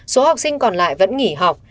số học sinh còn lại vẫn nghỉ học